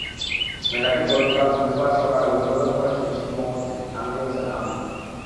মেলাটি গতকাল বুধবার সকালে উদ্বোধন করেছেন শিল্পমন্ত্রী আমির হোসেন আমু।